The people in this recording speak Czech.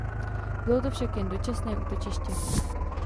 Bylo to však jen dočasné útočiště.